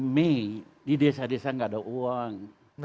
mei di desa desa nggak ada uang